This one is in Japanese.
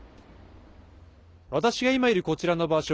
私が今いるこちらの場所